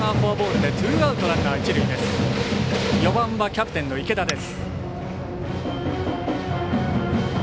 ４番はキャプテンの池田です。